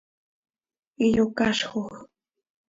iyocazjoj.